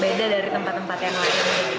beda dari tempat tempat yang lain